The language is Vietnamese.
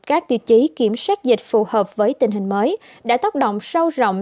các tiêu chí kiểm soát dịch phù hợp với tình hình mới đã tác động sâu rộng